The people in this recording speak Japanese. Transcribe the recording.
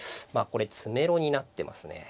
これ詰めろになってますね。